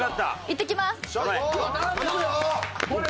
いってきます。